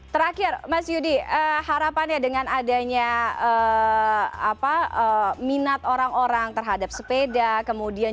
terakhir mas yudi harapannya dengan adanya minat orang orang terhadap sepeda kemudian